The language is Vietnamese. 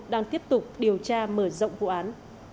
đang tiếp tục điều tra mở rộng vụ án